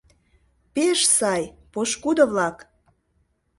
Пеш сай, пошкудо-влак!